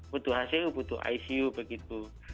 butuh hcu butuh icu begitu